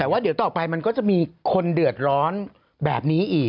แต่ว่าเดี๋ยวต่อไปมันก็จะมีคนเดือดร้อนแบบนี้อีก